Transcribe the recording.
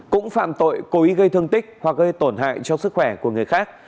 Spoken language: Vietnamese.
cũng phạm tội cố ý gây thương tích hoặc gây tổn hại cho sức khỏe của người khác